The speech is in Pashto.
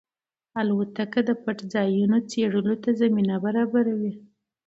الوتکه د پټ ځایونو څېړلو ته زمینه برابروي.